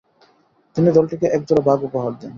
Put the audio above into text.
তিনি দলটিকে একজোড়া বাঘ উপহার দেন।